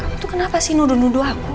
kamu tuh kenapa sih nuduh nuduh aku